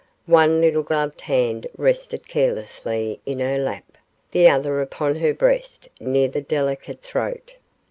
One little gloved hand rested carelessly in her lap, the other upon her breast near the delicate throat.